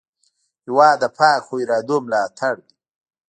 هېواد د پاکو ارادو ملاتړ دی.